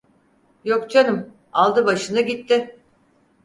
Yok canım, aldı başını gitti!